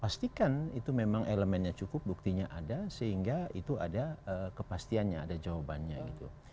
pastikan itu memang elemennya cukup buktinya ada sehingga itu ada kepastiannya ada jawabannya gitu